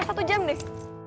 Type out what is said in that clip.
satu jam deh